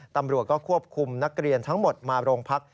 ตำรวจก็ควบคุมนักเรียนทั้งหมดมาโรงพัก